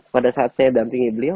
pada saat saya dampingi beliau